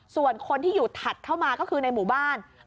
ส่วนคนที่อยู่ถัดเข้ามาก็คือในหมู่บ้าน